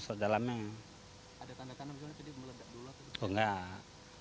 ada tanda kanan bisa tidak meledak dulu